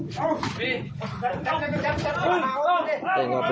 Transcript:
จับมือจับมือแล้ว